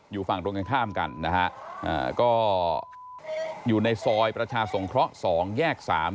อยู่ฝั่งตรงกันข้ามกันนะฮะก็อยู่ในซอยประชาสงเคราะห์๒แยก๓